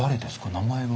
名前は？